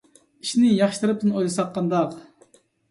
ئىشنى ياخشى تەرەپتىن ئويلىساق قانداق؟